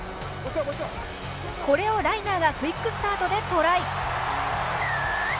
これを、ライナーがクイックスタートでトライ。